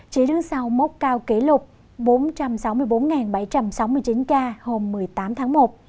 chỉ đứng sau mốc cao kỷ lục bốn trăm sáu mươi bốn bảy trăm sáu mươi chín ca hôm một mươi tám tháng một